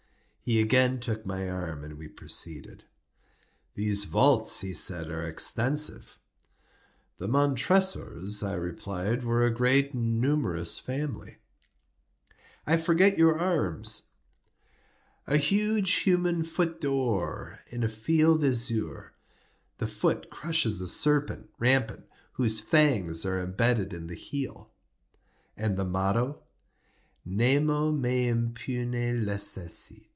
He again took my arm, and we proceeded. "These vaults," he said, "are extensive." "The Montresors," I replied, "were a great and numerous family." "I forget your arms." "A huge human foot d'or, in a field azure; the foot crushes a serpent rampant whose fangs are imbedded in the heel." "And the motto?" "Nemo me impune lacessit."